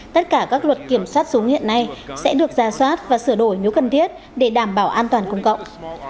tất cả các luật kiểm soát súng hiện nay sẽ được ra soát và sửa đổi nếu cần thiết để đảm bảo an toàn công cộng